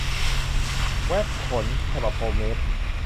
แว็กซ์ขน ฉบับโฮมเมด